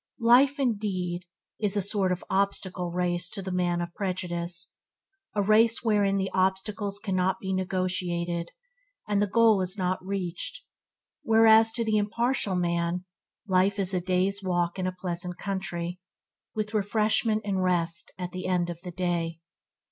Life, indeed, a sort of obstacle race to the man of prejudice, a race wherein the obstacles cannot be negotiated and the goal is not reached; whereas to the impartial man life is a day's walk in a pleasant country, with refreshment and rest at the end of the day.